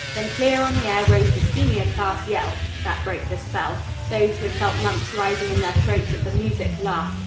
Then clear on the air rose the senior class yell. That broke the spell. Those who had felt lumps rising in their throats at the music, laughed.